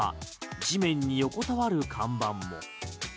地面に横たわる看板も。